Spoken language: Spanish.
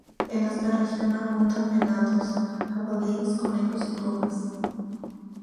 En esta región abundaban venados, jabalíes, conejos y pumas.